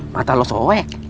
mata lu soek